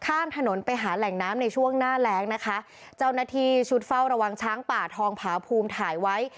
ข้ามถนนไปหาแหล่งน้ำในช่วงหน้าแรงนะคะเจ้าหน้าที่ชุดเฝ้าระวังช้างป่าทองผาภูมิถ่ายไว้